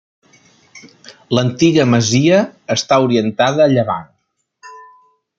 L'antiga masia està orientada a llevant.